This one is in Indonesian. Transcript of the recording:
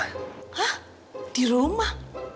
hah di rumah